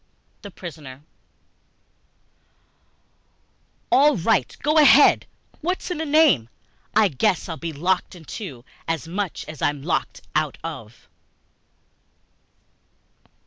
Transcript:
The Prisoner ALL right, Go ahead! What's in a name? I guess I'll be locked into As much as I'm locked out of!